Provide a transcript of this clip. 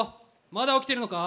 まだ起きてるのか？